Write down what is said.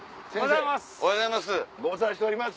おはようございます！